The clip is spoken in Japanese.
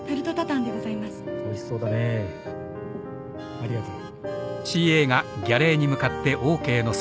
ありがとう。